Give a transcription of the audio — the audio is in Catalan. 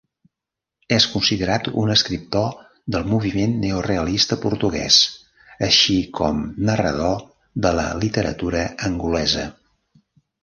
És considerat un escriptor del moviment neorealista portuguès així com narrador de la literatura angolesa.